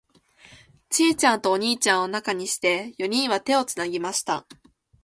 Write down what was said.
ちいちゃんとお兄ちゃんを中にして、四人は手をつなぎました。